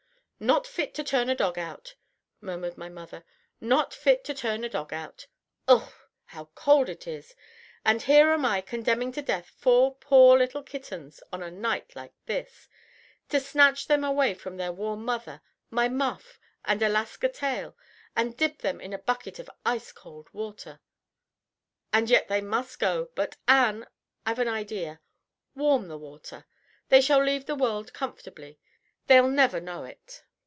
"Not fit to turn a dog out," murmured my mother. "Not fit to turn a dog out. Ugh! how cold it is, and here am I condemning to death four poor little kittens on a night like this to snatch them away from their warm mother, my muff, and Alaska tail, and dip them in a bucket of ice cold water. And yet they must go; but, Ann, I've an idea WARM the water. They shall leave the world comfortably. They'll never know it."